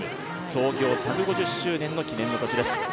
創業１５０周年の記念の年です。